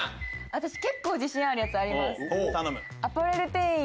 私自信あるやつあります。